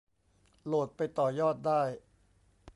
โหลดไปต่อยอดได้